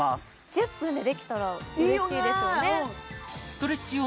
１０分でできたら嬉しいですよね